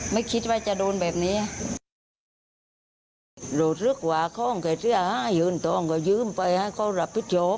ไม่คิดว่าจะโดนแบบนี้